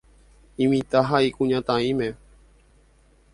Imitã ha ikuñataĩme.